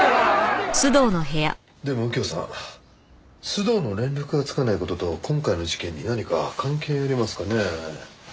でも右京さん須藤の連絡がつかない事と今回の事件に何か関係ありますかね？